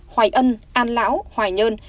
hoài ân an lão hoài nhơn